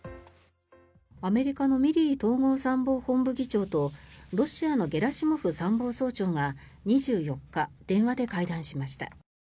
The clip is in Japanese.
アメリカのミリー統合参謀本部議長とロシアのゲラシモフ参謀総長が２４日、電話で会談しました。